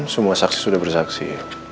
semua saksi sudah bersaksi